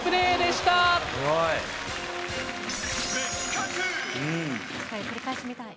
すごい。